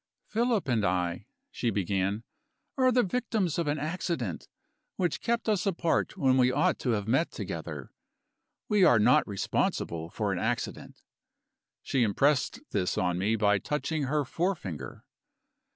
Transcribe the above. "Philip and I," she began, "are the victims of an accident, which kept us apart when we ought to have met together we are not responsible for an accident." She impressed this on me by touching her forefinger.